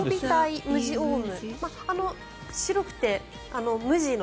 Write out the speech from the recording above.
白くて無地の。